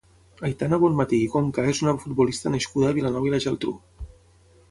Aitana Bonmatí i Conca és una futbolista nascuda a Vilanova i la Geltrú.